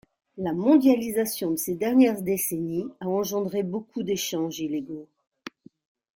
La mondialisation de ces dernières décennies a engendré beaucoup d’échanges illégaux.